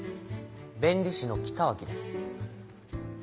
弁理士の北脇です。